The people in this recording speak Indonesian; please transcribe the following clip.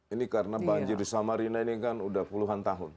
ini karena banjir di samarina ini kan udah puluhan tahun